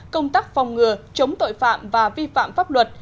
công tác phòng ngừa chống tội phạm và vi phạm pháp luật